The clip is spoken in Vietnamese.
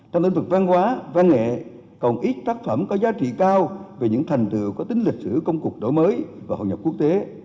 trong lĩnh vực văn hóa văn nghệ còn ít tác phẩm có giá trị cao về những thành tựu có tính lịch sử công cục đổi mới và hội nhập quốc tế